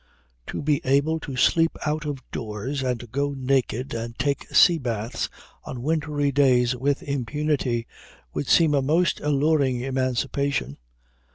To be able to sleep out o doors, and go naked, and take sea baths on wintry days with impunity, would seem a most alluring emancipation.